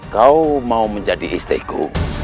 kau mau menjadi istriku